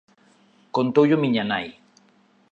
Contoullo miña nai.